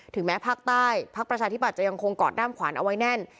แม้ภาคใต้พักประชาธิบัตยจะยังคงกอดด้ามขวานเอาไว้แน่น